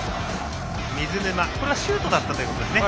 水沼、これはシュートだったということですね。